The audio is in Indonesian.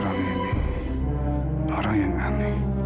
jangan sampai kesalahpahaman ini